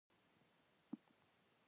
آیا دا قانون د ټولنې نظم نه ساتي؟